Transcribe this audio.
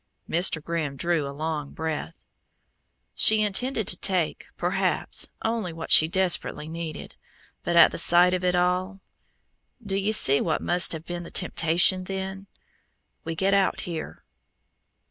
Mr. Grimm drew a long breath. "She intended to take, perhaps, only what she desperately needed but at sight of it all do you see what must have been the temptation then? We get out here."